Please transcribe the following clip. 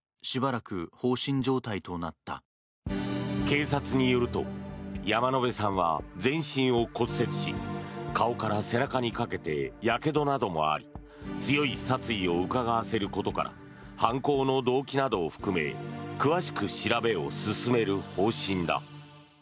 警察によると山野辺さんは全身を骨折し顔から背中にかけてやけどなどもあり強い殺意をうかがわせることから犯行の動機などを含め詳しく調べを進める方針だ。